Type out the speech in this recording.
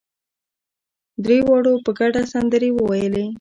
درېواړو په ګډه سندرې وويلې.